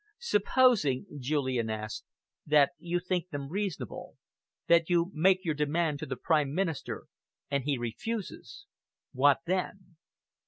"Supposing," Julian asked, "that you think them reasonable, that you make your demand to the Prime Minister, and he refuses. What then?"